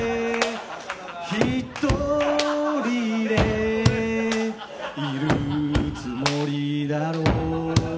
１人でいるつもりだろう